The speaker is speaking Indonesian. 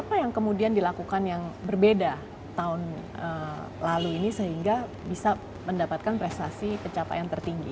apa yang kemudian dilakukan yang berbeda tahun lalu ini sehingga bisa mendapatkan prestasi pencapaian tertinggi